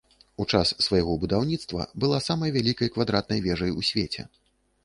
У час свайго будаўніцтва была самай вялікай квадратнай вежай у свеце.